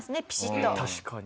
確かに。